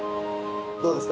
どうですか？